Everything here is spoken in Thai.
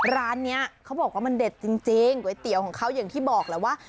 ร้านนี้เขาบอกว่ามันเด็ดจริงก๋วยเตี๋ยวของเขาอย่างที่บอกแหละว่า